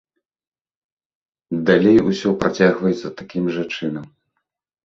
Далей ўсё працягваецца такім жа чынам.